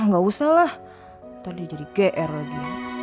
gak usah lah nanti dia jadi gr lagi